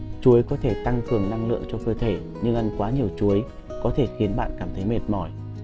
mặc dù chuối có thể tăng cường năng lượng cho cơ thể nhưng ăn quá nhiều chuối có thể khiến bạn cảm thích mệt mỏi